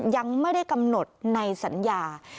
ยังไม่ได้กำหนดในสัญญา